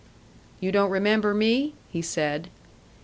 "You don't remember me?" he said.